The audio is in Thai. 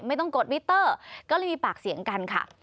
ไม่ต้องกดวิตเตอร์ก็เลยมีปากเสียงกันค่ะ